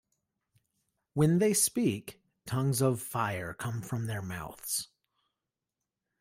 When they speak, tongues of fire come from their mouths.